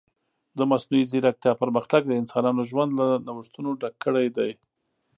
د مصنوعي ځیرکتیا پرمختګ د انسانانو ژوند له نوښتونو ډک کړی دی.